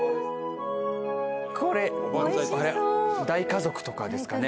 これ大家族とかですかね？